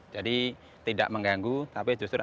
jadi tidak ada yang berkaitan dengan kurikulum sebelumnya